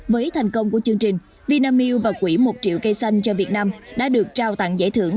với thành công của chương trình vinamilk và quỹ một triệu cây xanh cho việt nam đã được trao tặng giải thưởng